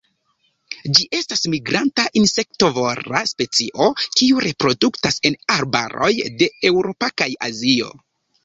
Ĝi estas migranta insektovora specio kiu reproduktas en arbaroj de Eŭropo kaj Azio.